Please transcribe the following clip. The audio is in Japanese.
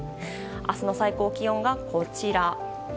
明日の最高気温がこちら。